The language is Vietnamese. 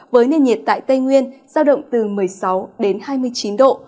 với nền nhiệt tại tây nguyên sao động từ một mươi sáu hai mươi chín độ